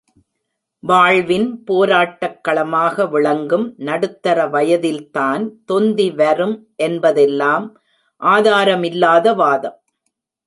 வாழ்வின் போராட்டக் களமாக விளங்கும் நடுத்தர வயதில் தான் தொந்தி வரும் என்பதெல்லாம் ஆதாரமில்லாத வாதம்.